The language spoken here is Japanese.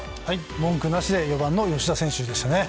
文句なしで４番の吉田選手でしたね。